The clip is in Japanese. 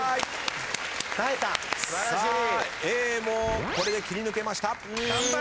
Ａもこれで切り抜けました。